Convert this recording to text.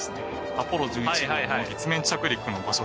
アポロ１１号の月面着陸の場所です。